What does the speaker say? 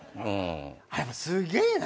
やっぱすげえな。